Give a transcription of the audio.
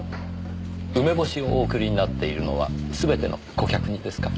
梅干しをお送りになっているのは全ての顧客にですか？